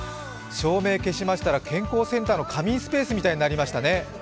照明消しましたら健康センターの仮眠スペースみたいになりましたね。